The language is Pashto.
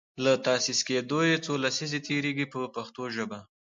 له تاسیس کیدو یې څو لسیزې تیریږي په پښتو ژبه.